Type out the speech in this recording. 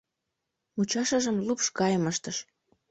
Мучашыжым лупш гайым ыштыш.